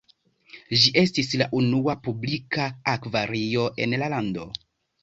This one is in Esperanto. Ĝi estis la unua publika akvario en la lando.